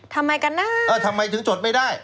ทำไมกันนะเออทำไมถึงจดไม่ได้